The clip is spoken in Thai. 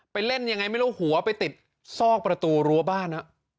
เล่นยังไงไม่รู้หัวไปติดซอกประตูรั้วบ้าน